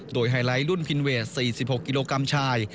โดยไฮไลท์รุ่นพินเวสสี่สิบหกกิโลกรัมชาย